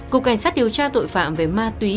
cục cảnh sát điều tra tội phạm về ma túy